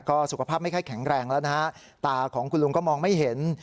ก็สุขภาพไม่ค่อยแข็งแรงแล้วนะฮะตาของคุณลุงก็มองไม่เห็น